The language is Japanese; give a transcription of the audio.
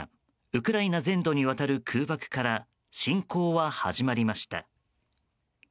ウクライナ全土にわたる空爆から侵攻は始まりました。